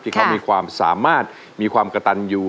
ที่เขามีความสามารถมีความกระตันอยู่